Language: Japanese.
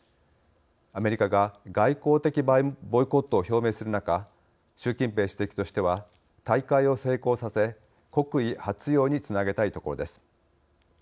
アメリカが外交的ボイコットを表明する中、習近平主席としては大会を成功させ国威発揚につなげたいところです。